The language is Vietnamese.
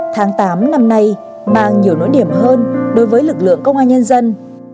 tháng tám năm nay mang nhiều nỗi điểm hơn đối với lực lượng công an nhân dân